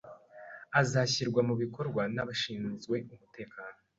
ashyirwa mu bikorwa n'abashinzwe umutekano